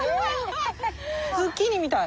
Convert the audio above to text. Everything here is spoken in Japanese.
ズッキーニみたい。